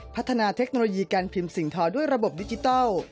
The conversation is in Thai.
พัฒนาเทคโนโลยีการพิมพ์สิ่งทอด้วยระบบดิจิทัล